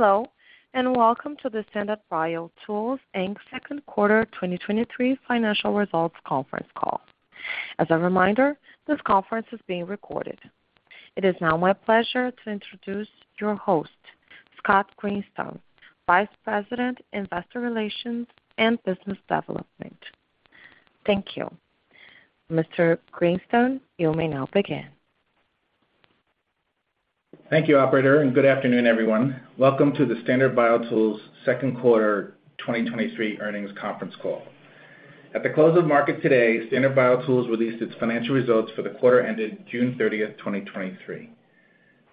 Hello, and welcome to the Standard BioTools Inc.'s second quarter 2023 financial results conference call. As a reminder, this conference is being recorded. It is now my pleasure to introduce your host, Scott Greenstone, Vice President, Investor Relations and Business Development. Thank you. Mr. Greenstone, you may now begin. Thank you, operator. Good afternoon, everyone. Welcome to the Standard BioTools second quarter 2023 earnings conference call. At the close of market today, Standard BioTools released its financial results for the quarter ended June 30th, 2023.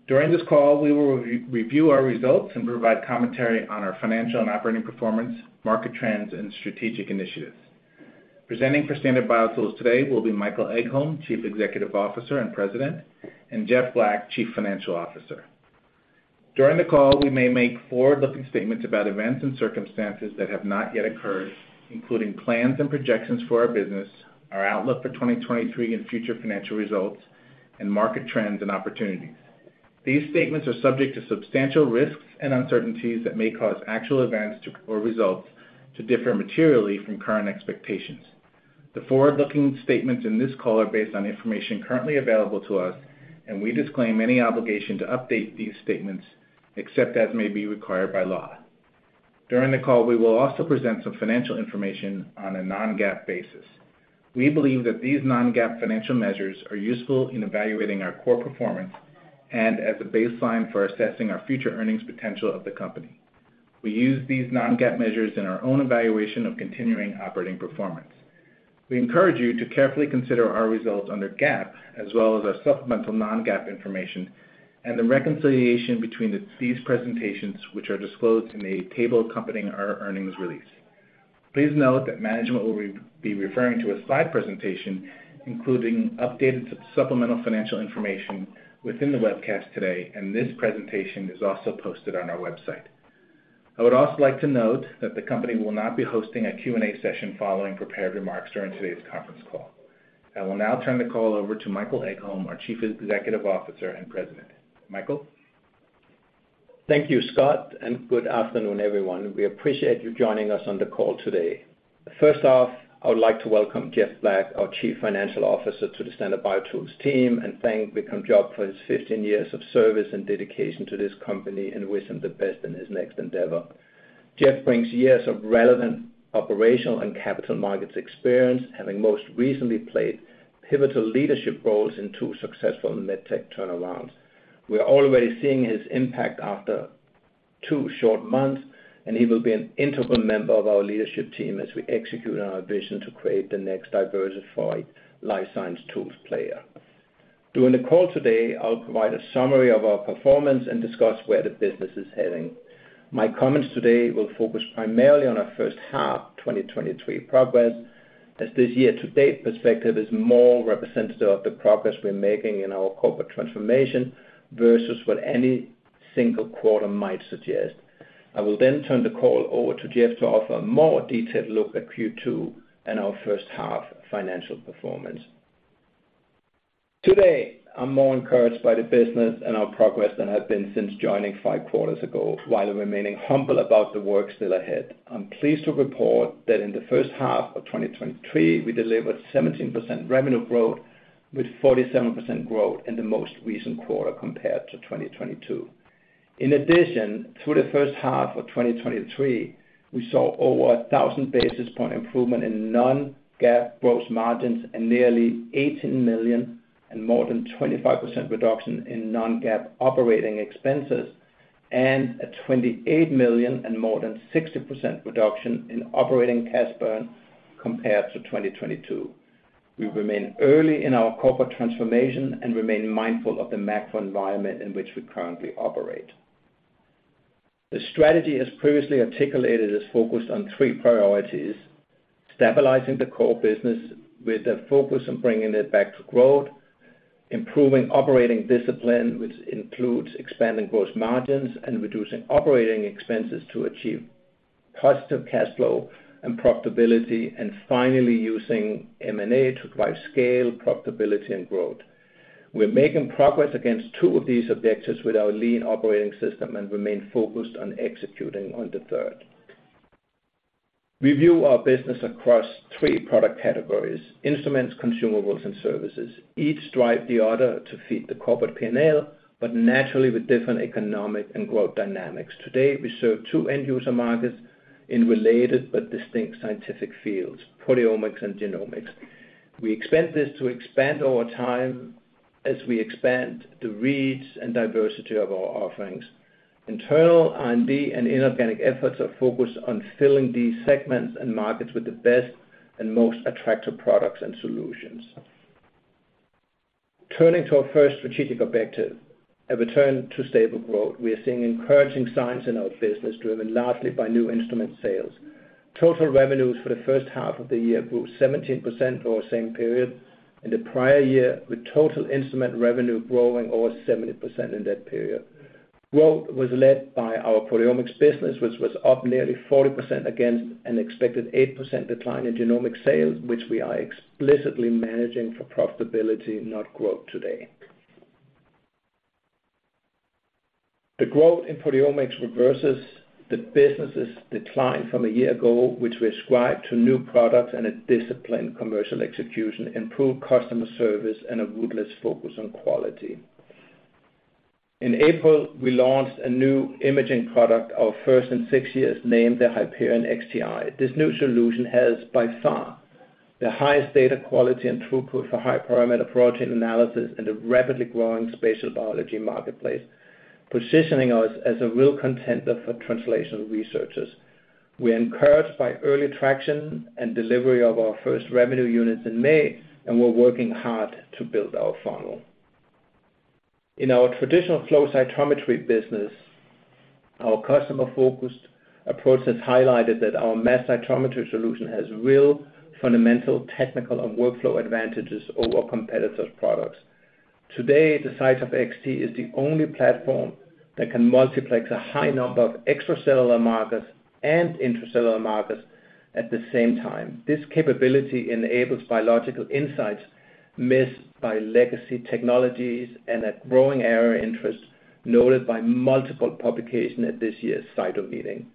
During this call, we will re-review our results and provide commentary on our financial and operating performance, market trends, and strategic initiatives. Presenting for Standard BioTools today will be Michael Egholm, Chief Executive Officer and President, and Jeff Black, Chief Financial Officer. During the call, we may make forward-looking statements about events and circumstances that have not yet occurred, including plans and projections for our business, our outlook for 2023 and future financial results, and market trends and opportunities. These statements are subject to substantial risks and uncertainties that may cause actual events or results to differ materially from current expectations. The forward-looking statements in this call are based on information currently available to us, and we disclaim any obligation to update these statements, except as may be required by law. During the call, we will also present some financial information on a non-GAAP basis. We believe that these non-GAAP financial measures are useful in evaluating our core performance and as a baseline for assessing our future earnings potential of the company. We use these non-GAAP measures in our own evaluation of continuing operating performance. We encourage you to carefully consider our results under GAAP, as well as our supplemental non-GAAP information, and the reconciliation between these presentations, which are disclosed in a table accompanying our earnings release. Please note that management will be referring to a slide presentation, including updated supplemental financial information within the webcast today, and this presentation is also posted on our website. I would also like to note that the company will not be hosting a Q&A session following prepared remarks during today's conference call. I will now turn the call over to Michael Egholm, our Chief Executive Officer and President. Michael? Thank you, Scott, and good afternoon, everyone. We appreciate you joining us on the call today. First off, I would like to welcome Jeff Black, our Chief Financial Officer, to the Standard BioTools team, and thank Vikram Jog for his 15 years of service and dedication to this company, and wish him the best in his next endeavor. Jeff brings years of relevant operational and capital markets experience, having most recently played pivotal leadership roles in two successful medtech turnarounds. We are already seeing his impact after two short months, and he will be an integral member of our leadership team as we execute on our vision to create the next diversified life science tools player. During the call today, I'll provide a summary of our performance and discuss where the business is heading. My comments today will focus primarily on our first half 2023 progress, as this year-to-date perspective is more representative of the progress we're making in our corporate transformation versus what any single quarter might suggest. I will then turn the call over to Jeff to offer a more detailed look at Q2 and our first half financial performance. Today, I'm more encouraged by the business and our progress than I've been since joining five quarters ago, while remaining humble about the work still ahead. I'm pleased to report that in the first half of 2023, we delivered 17% revenue growth, with 47% growth in the most recent quarter compared to 2022, In addition, through the first half of 2023, we saw over 1,000 basis point improvement in non-GAAP gross margins and nearly $18 million and more than 25% reduction in non-GAAP operating expenses, and a $28 million and more than 60% reduction in operating cash burn compared to 2022. We remain early in our corporate transformation and remain mindful of the macro environment in which we currently operate. The strategy, as previously articulated, is focused on three priorities: stabilizing the core business with a focus on bringing it back to growth, improving operating discipline, which includes expanding gross margins and reducing operating expenses to achieve positive cash flow and profitability, and finally, using M&A to drive scale, profitability, and growth. We're making progress against two of these objectives with our lean operating system and remain focused on executing on the third. We view our business across three product categories: instruments, consumables, and services. Each drive the other to feed the corporate P&L, but naturally with different economic and growth dynamics. Today, we serve two end-user markets in related but distinct scientific fields, proteomics and genomics. We expect this to expand over time as we expand the reach and diversity of our offerings. Internal R&D and inorganic efforts are focused on filling these segments and markets with the best and most attractive products and solutions. Turning to our first strategic objective, a return to stable growth. We are seeing encouraging signs in our business, driven largely by new instrument sales. Total revenues for the first half of the year grew 17% over the same period in the prior year, with total instrument revenue growing over 70% in that period. Growth was led by our proteomics business, which was up nearly 40% against an expected 8% decline in genomic sales, which we are explicitly managing for profitability, not growth today. The growth in proteomics reverses the business's decline from a year ago, which we ascribe to new products and a disciplined commercial execution, improved customer service, and a relentless focus on quality. In April, we launched a new imaging product, our first in six years, named the Hyperion XTi. This new solution has, by far, the highest data quality and throughput for high-parameter protein analysis in the rapidly growing spatial biology marketplace, positioning us as a real contender for translational researchers. We're encouraged by early traction and delivery of our first revenue units in May, we're working hard to build our funnel. In our traditional flow cytometry business, our customer-focused approach has highlighted that our mass cytometry solution has real fundamental technical and workflow advantages over competitors' products. Today, the CyTOF XT is the only platform that can multiplex a high number of extracellular markers and intracellular markers at the same time. This capability enables biological insights missed by legacy technologies and a growing area of interest noted by multiple publication at this year's CyTOF meeting.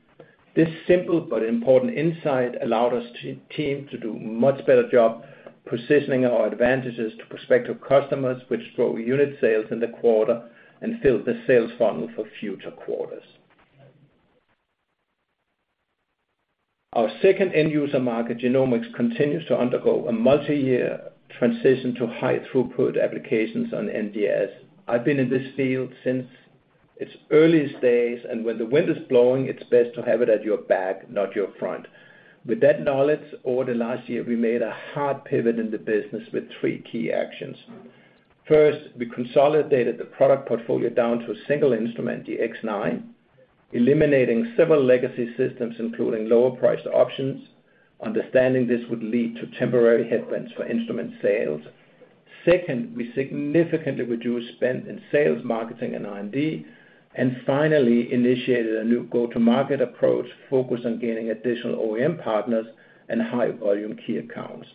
This simple but important insight allowed us to- team to do a much better job positioning our advantages to prospective customers, which drove unit sales in the quarter and filled the sales funnel for future quarters. Our second end-user market, genomics, continues to undergo a multi-year transition to high-throughput applications on NGS. I've been in this field since its earliest days, and when the wind is blowing, it's best to have it at your back, not your front. With that knowledge, over the last year, we made a hard pivot in the business with three key actions. First, we consolidated the product portfolio down to a single instrument, the X9, eliminating several legacy systems, including lower-priced options, understanding this would lead to temporary headwinds for instrument sales. Second, we significantly reduced spend in sales, marketing, and R&D, and finally, initiated a new go-to-market approach focused on gaining additional OEM partners and high-volume key accounts.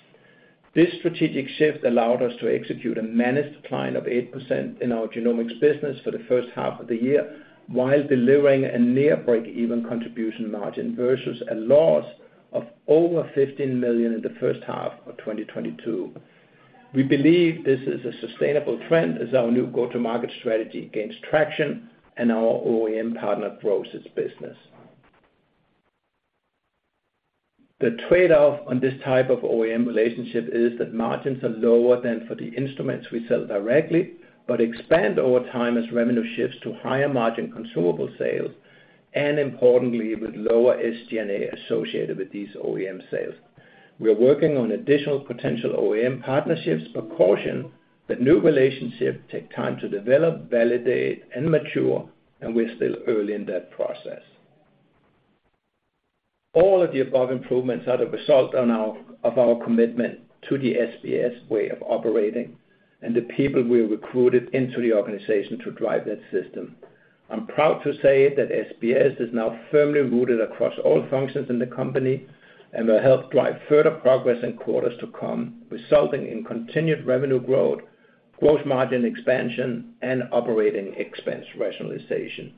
This strategic shift allowed us to execute a managed decline of 8% in our genomics business for the first half of the year, while delivering a near break-even contribution margin versus a loss of over $15 million in the first half of 2022. We believe this is a sustainable trend as our new go-to-market strategy gains traction and our OEM partner grows its business. The trade-off on this type of OEM relationship is that margins are lower than for the instruments we sell directly, but expand over time as revenue shifts to higher-margin consumable sales, and importantly, with lower SG&A associated with these OEM sales. We are working on additional potential OEM partnerships, but caution that new relationships take time to develop, validate, and mature, and we're still early in that process. All of the above improvements are the result of our commitment to the SBS way of operating and the people we recruited into the organization to drive that system. I'm proud to say that SBS is now firmly rooted across all functions in the company and will help drive further progress in quarters to come, resulting in continued revenue growth, gross margin expansion, and operating expense rationalization.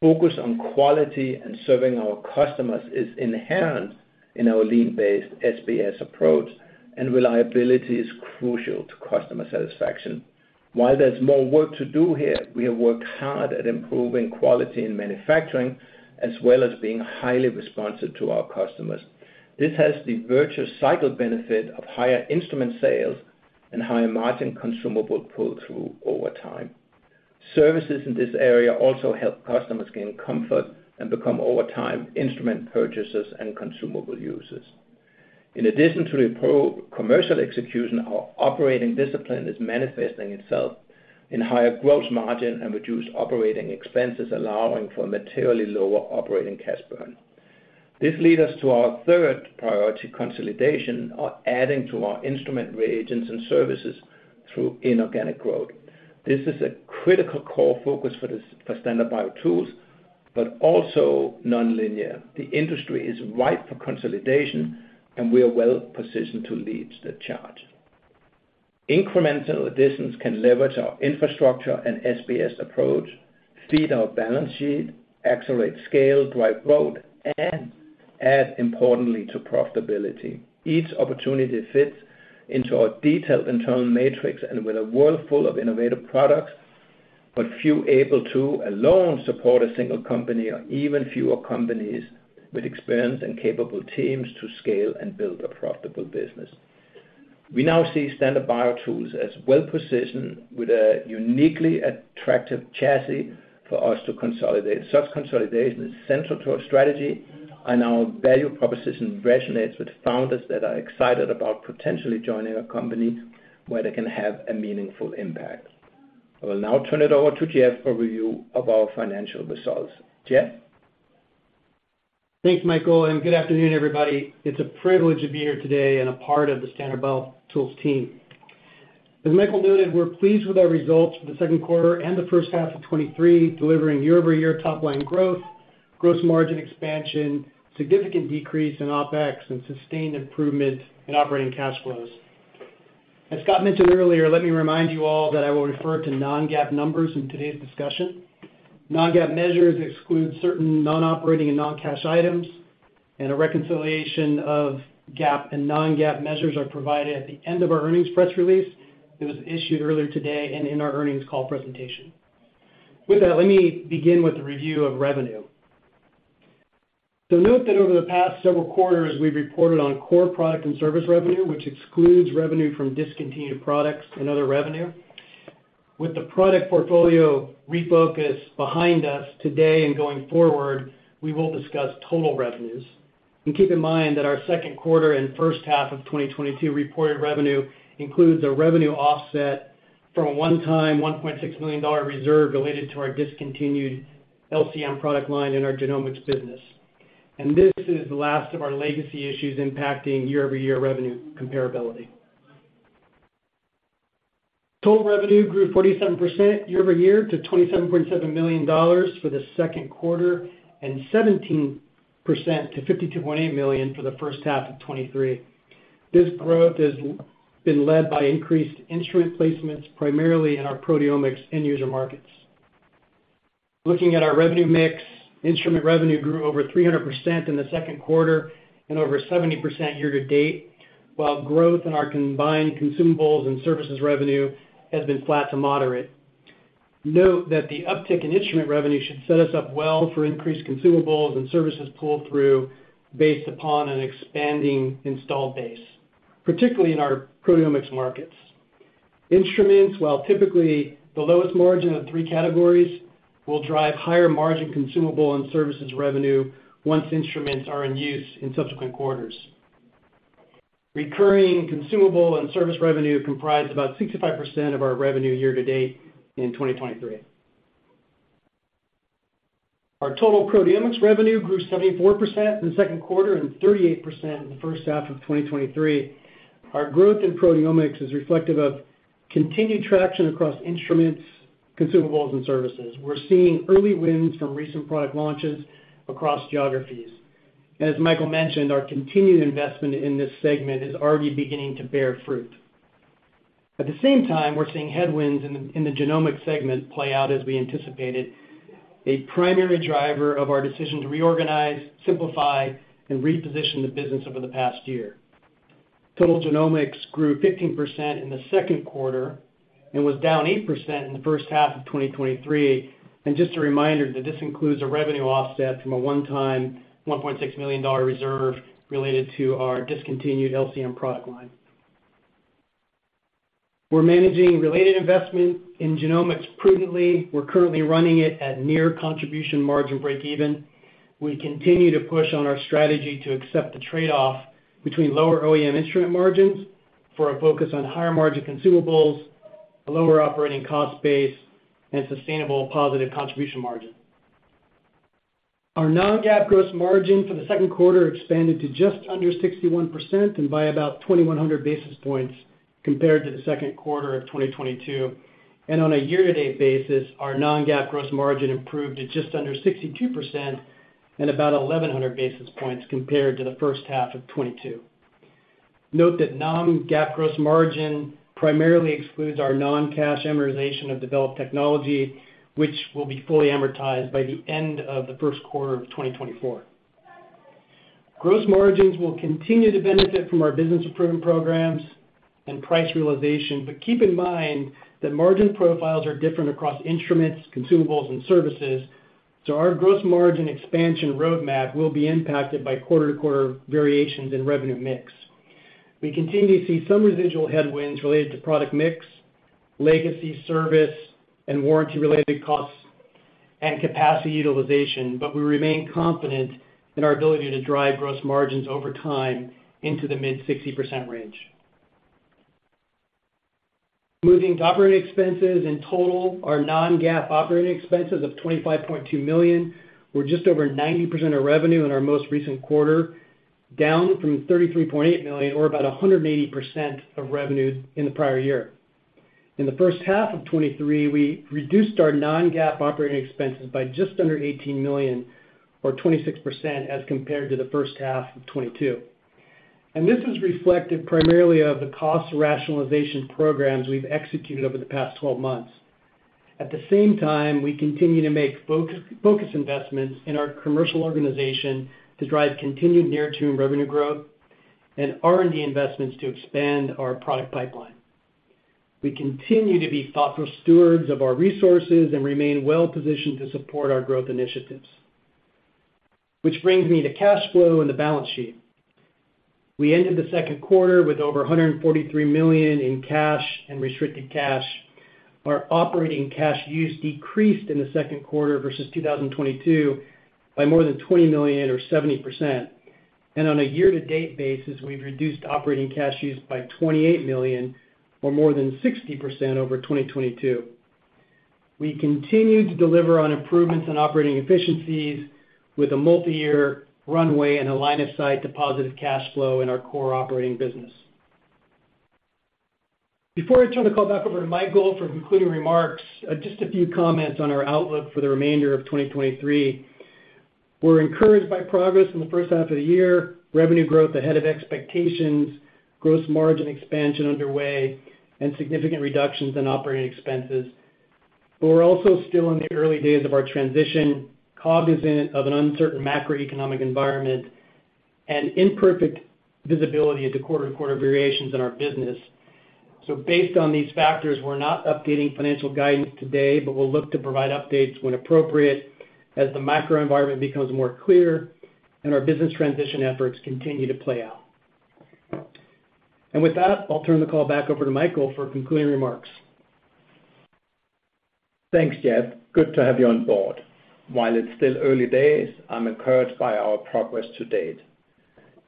Focus on quality and serving our customers is inherent in our lean-based SBS approach, and reliability is crucial to customer satisfaction. While there's more work to do here, we have worked hard at improving quality in manufacturing, as well as being highly responsive to our customers. This has the virtuous cycle benefit of higher instrument sales and higher-margin consumable pull-through over time. Services in this area also help customers gain comfort and become, over time, instrument purchasers and consumable users. In addition to the improved commercial execution, our operating discipline is manifesting itself in higher gross margin and reduced operating expenses, allowing for a materially lower operating cash burn. This leads us to our third priority, consolidation, or adding to our instrument reagents and services through inorganic growth. This is a critical core focus for Standard BioTools, but also nonlinear. The industry is ripe for consolidation, and we are well positioned to lead the charge. Incremental additions can leverage our infrastructure and SBS approach, speed our balance sheet, accelerate scale, drive growth, and add importantly to profitability. Each opportunity fits into our detailed internal matrix, and with a world full of innovative products, but few able to alone support a single company or even fewer companies with experienced and capable teams to scale and build a profitable business. We now see Standard BioTools as well-positioned with a uniquely attractive chassis for us to consolidate. Such consolidation is central to our strategy, and our value proposition resonates with founders that are excited about potentially joining a company where they can have a meaningful impact. I will now turn it over to Jeff for review of our financial results. Jeff? Thanks, Michael. Good afternoon, everybody. It's a privilege to be here today and a part of the Standard BioTools team. As Michael noted, we're pleased with our results for the second quarter and the first half of 2023, delivering year-over-year top line growth, gross margin expansion, significant decrease in OpEx, and sustained improvement in operating cash flows. As Scott mentioned earlier, let me remind you all that I will refer to non-GAAP numbers in today's discussion. Non-GAAP measures exclude certain non-operating and non-cash items, and a reconciliation of GAAP and non-GAAP measures are provided at the end of our earnings press release that was issued earlier today and in our earnings call presentation. With that, let me begin with a review of revenue. Note that over the past several quarters, we've reported on core product and service revenue, which excludes revenue from discontinued products and other revenue. With the product portfolio refocus behind us today and going forward, we will discuss total revenues. Keep in mind that our second quarter and first half of 2022 reported revenue includes a revenue offset from a one-time $1.6 million reserve related to our discontinued LCM product line in our genomics business. This is the last of our legacy issues impacting year-over-year revenue comparability. Total revenue grew 47% year-over-year to $27.7 million for the second quarter, and 17% to $52.8 million for the first half of 2023. This growth has been led by increased instrument placements, primarily in our proteomics end user markets. Looking at our revenue mix, instrument revenue grew over 300% in the second quarter and over 70% year-to-date, while growth in our combined consumables and services revenue has been flat to moderate. Note that the uptick in instrument revenue should set us up well for increased consumables and services pull-through based upon an expanding installed base, particularly in our proteomics markets. Instruments, while typically the lowest margin of the three categories, will drive higher margin consumable and services revenue once instruments are in use in subsequent quarters. Recurring consumable and service revenue comprised about 65% of our revenue year-to-date in 2023. Our total proteomics revenue grew 74% in the second quarter and 38% in the first half of 2023. Our growth in proteomics is reflective of continued traction across instruments, consumables, and services. We're seeing early wins from recent product launches across geographies. As Michael mentioned, our continued investment in this segment is already beginning to bear fruit. At the same time, we're seeing headwinds in the genomics segment play out as we anticipated, a primary driver of our decision to reorganize, simplify, and reposition the business over the past year. Total genomics grew 15% in the second quarter and was down 8% in the first half of 2023. Just a reminder that this includes a revenue offset from a one-time $1.6 million reserve related to our discontinued LCM product line. We're managing related investment in genomics prudently. We're currently running it at near contribution margin breakeven. We continue to push on our strategy to accept the trade-off between lower OEM instrument margins for a focus on higher-margin consumables, a lower operating cost base, and sustainable positive contribution margin. Our non-GAAP gross margin for the second quarter expanded to just under 61% and by about 2,100 basis points compared to the second quarter of 2022. On a year-to-date basis, our non-GAAP gross margin improved to just under 62% and about 1,100 basis points compared to the first half of 2022. Note that non-GAAP gross margin primarily excludes our non-cash amortization of developed technology, which will be fully amortized by the end of the first quarter of 2024. Gross margins will continue to benefit from our business improvement programs and price realization, but keep in mind that margin profiles are different across instruments, consumables, and services, so our gross margin expansion roadmap will be impacted by quarter-to-quarter variations in revenue mix. We continue to see some residual headwinds related to product mix, legacy service, and warranty-related costs and capacity utilization, but we remain confident in our ability to drive gross margins over time into the mid-60% range. Moving to operating expenses. In total, our non-GAAP operating expenses of $25.2 million were just over 90% of revenue in our most recent quarter, down from $33.8 million, or about 180% of revenue in the prior year. In the first half of 2023, we reduced our non-GAAP operating expenses by just under $18 million, or 26%, as compared to the first half of 2022. This is reflective primarily of the cost rationalization programs we've executed over the past 12 months. At the same time, we continue to make focus investments in our commercial organization to drive continued near-term revenue growth and R&D investments to expand our product pipeline. We continue to be thoughtful stewards of our resources and remain well positioned to support our growth initiatives. Which brings me to cash flow and the balance sheet. We ended the second quarter with over $143 million in cash and restricted cash. Our operating cash use decreased in the second quarter versus 2022 by more than $20 million or 70%. On a year-to-date basis, we've reduced operating cash use by $28 million, or more than 60% over 2022. We continue to deliver on improvements in operating efficiencies with a multiyear runway and a line of sight to positive cash flow in our core operating business. Before I turn the call back over to Michael for concluding remarks, just a few comments on our outlook for the remainder of 2023. We're encouraged by progress in the first half of the year, revenue growth ahead of expectations, gross margin expansion underway, and significant reductions in operating expenses. We're also still in the early days of our transition, cognizant of an uncertain macroeconomic environment and imperfect visibility into quarter-to-quarter variations in our business. Based on these factors, we're not updating financial guidance today, but we'll look to provide updates when appropriate as the macro environment becomes more clear and our business transition efforts continue to play out. With that, I'll turn the call back over to Michael for concluding remarks. Thanks, Jeff. Good to have you on board. While it's still early days, I'm encouraged by our progress to date.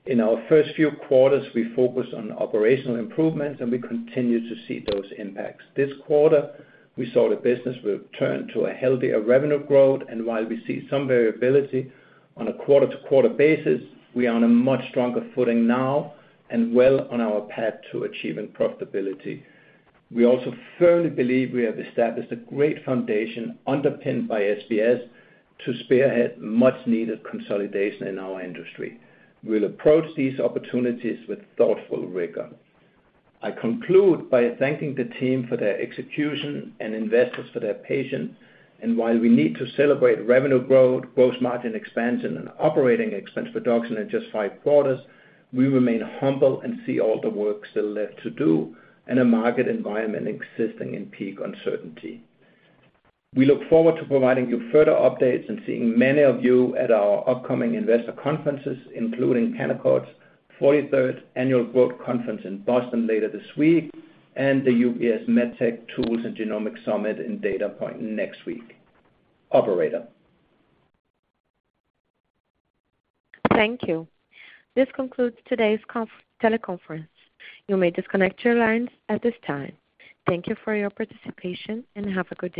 In our first few quarters, we focused on operational improvements. We continue to see those impacts. This quarter, we saw the business return to a healthier revenue growth. While we see some variability on a quarter-to-quarter basis, we are on a much stronger footing now and well on our path to achieving profitability. We also firmly believe we have established a great foundation, underpinned by SBS, to spearhead much needed consolidation in our industry. We'll approach these opportunities with thoughtful rigor. I conclude by thanking the team for their execution and investors for their patience, and while we need to celebrate revenue growth, gross margin expansion, and operating expense reduction in just five quarters, we remain humble and see all the work still left to do in a market environment existing in peak uncertainty. We look forward to providing you further updates and seeing many of you at our upcoming investor conferences, including Canaccord Genuity 43rd Annual Growth Conference in Boston later this week, and the UBS MedTech, Tools and Genomics Summit in Dana Point next week. Operator? Thank you. This concludes today's teleconference. You may disconnect your lines at this time. Thank you for your participation, and have a good day.